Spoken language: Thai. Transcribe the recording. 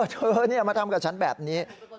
เธอมาทำกับฉันแบบนี้